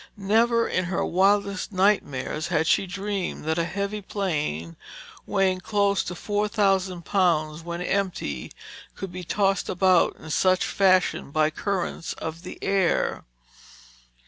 Never in her wildest nightmares had she dreamed that a heavy plane, weighing close to four thousand pounds when empty, could be tossed about in such fashion by currents of the air.